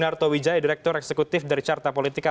mas jokowi dato' wijaya direktur eksekutif dari carta politika